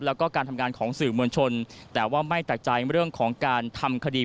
แล้วก็การทำงานของสื่อมวลชนแต่ว่าไม่ตักใจเรื่องของการทำคดี